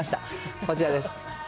こちらです。